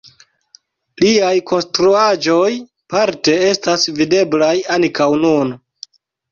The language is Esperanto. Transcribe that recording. Liaj konstruaĵoj parte estas videblaj ankaŭ nun.